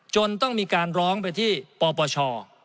จนต้องมีการร้องไปที่ปปช